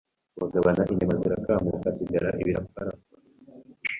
bagabagabana inyama zirakamuka, hasigara ibirapfarapfa.